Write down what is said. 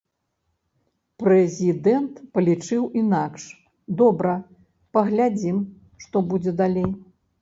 Прэзідэнт палічыў інакш, добра, паглядзім, што будзе далей.